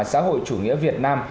xã hội chủ nghĩa việt nam